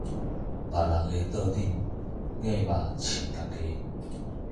別人的桌頂夾肉飼大家